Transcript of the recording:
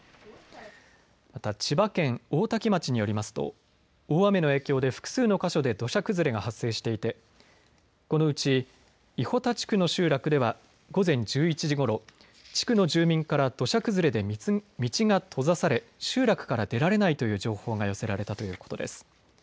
また千葉県大多喜町によりますと大雨の影響で複数の箇所で土砂崩れが発生していてこのうち、伊保田地区の集落では午前１１時ごろ、地区の住民から土砂崩れで道が閉ざされ集落から出られないという情報が寄せられたということです。